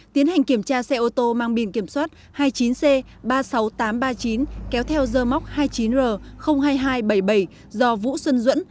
tiến hành kiểm tra xe ô tô mang biển kiểm soát hai mươi chín c ba mươi sáu nghìn tám trăm ba mươi chín kéo theo dơ móc hai mươi chín r hai nghìn hai trăm bảy mươi bảy do vũ xuân duẫn